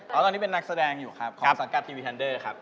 เพราะตอนนี้เป็นนักแสดงอยู่ครับของสังกัดทีวีแนนเดอร์ครับ